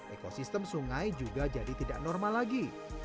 ekosistem sungai juga jadi tidak normal lagi